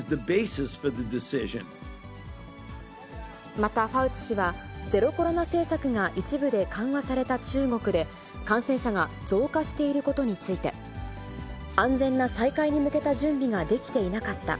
またファウチ氏は、ゼロコロナ政策が一部で緩和された中国で、感染者が増加していることについて、安全な再開に向けた準備ができていなかった。